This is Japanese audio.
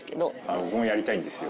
僕もやりたいんですよ。